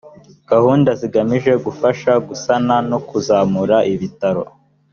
gahunda zigamije gufasha gusana no kuzamura ibitaro